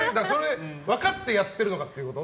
分かってやってるのかってこと？